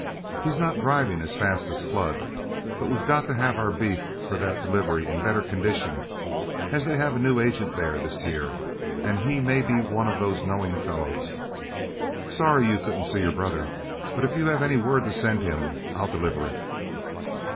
He's not driving as fast as Flood, but we've got to have our beef for that delivery in better condition, as they have a new agent there this year, and he may be one of these knowing fellows. Sorry you couldn't see your brother, but if you have any word to send him, I'll deliver it."